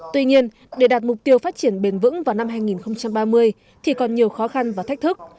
tuy nhiên để đạt mục tiêu phát triển bền vững vào năm hai nghìn ba mươi thì còn nhiều khó khăn và thách thức